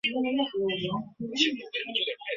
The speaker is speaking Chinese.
兼工诗文。